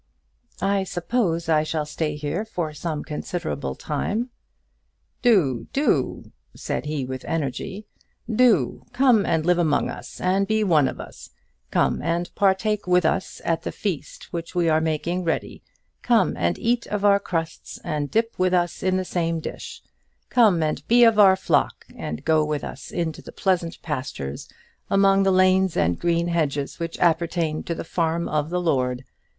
"I suppose I shall stay here for some considerable time." "Do, do," said he with energy. "Do; come and live among us, and be one of us; come and partake with us at the feast which we are making ready; come and eat of our crusts, and dip with us in the same dish; come and be of our flock, and go with us into the pleasant pastures, among the lanes and green hedges which appertain to the farm of the Lord.